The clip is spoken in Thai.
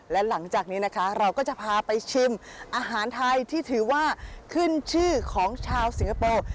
และหลังจากนี้นะคะเราก็จะพาไปชิมอาหารไทยที่ถือว่าขึ้นชื่อของชาวสิงคโปร์